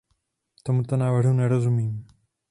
Tomuto návrhu nerozumím.